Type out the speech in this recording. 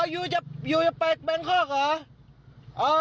อ๋อยูจะยูจะไปแบงคอกเหรอ